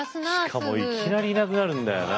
しかもいきなりいなくなるんだよな。